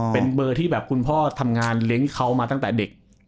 เป็นเบอร์ที่แบบคุณพ่อทำงานเลี้ยงเขามาตั้งแต่เด็ก